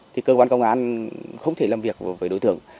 thì cơ quan công an không thể làm việc với đối tượng